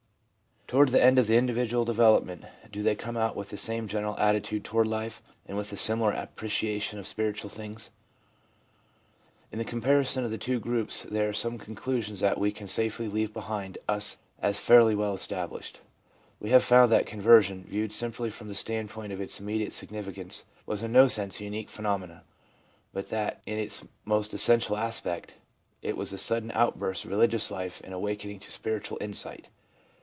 Toward 354 THE PSYCHOLOGY OF RELIGION the end of individual development, do they come out with the same general attitude toward life, and with a similar appreciation of spiritual things ? In the comparison of the two groups there are some conclusions that we can safely leave behind us as fairly well established. We have found that conversion, viewed simply from the standpoint of its immediate significance, was in no sense a unique phenomenon, but that, in its most essential aspect, it was a sudden outburst of religious life and awakening to spiritual insight.